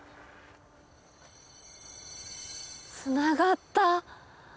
つながった！